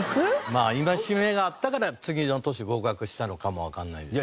まあ戒めがあったから次の年合格したのかもわからないですね。